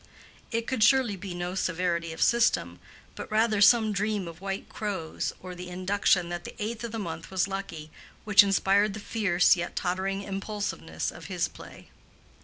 It could surely be no severity of system, but rather some dream of white crows, or the induction that the eighth of the month was lucky, which inspired the fierce yet tottering impulsiveness of his play.